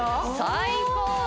最高！